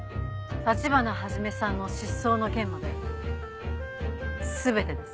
立花始さんの失踪の件まで全てです。